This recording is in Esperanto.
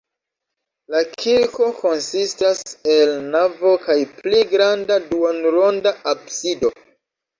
La kirko konsistas el navo kaj pli granda duonronda absido.